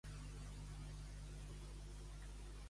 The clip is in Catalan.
Pertany al moviment independentista l'Amaya?